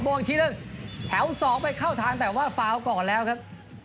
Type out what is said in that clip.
อีกทีหนึ่งแถว๒ไปเข้าทางแต่ว่าฟาวก่อนแล้วครับ